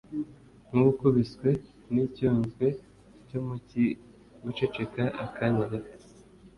nk’ubukubiswe n’icyunzwe cyo mu cyi guceceka akanya gato